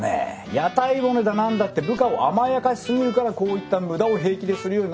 屋台骨だなんだって部下を甘やかしすぎるからこういった無駄を平気でするようになるわけですよ。